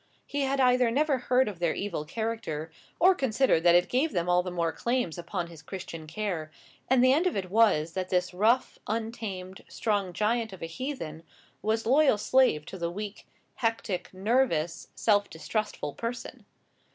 He had either never heard of their evil character, or considered that it gave them all the more claims upon his Christian care; and the end of it was, that this rough, untamed, strong giant of a heathen was loyal slave to the weak, hectic, nervous, self distrustful parson.